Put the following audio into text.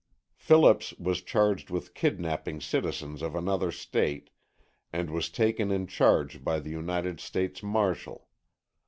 Phillips was charged with kidnapping citizens of another State and was taken in charge by the United States marshal.